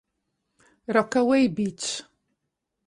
Rockaway Beach